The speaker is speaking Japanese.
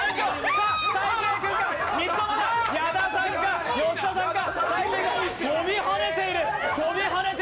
矢田さんか、吉田さんか。